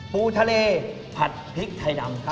ปูทะเลผัดพริกไทยดำครับ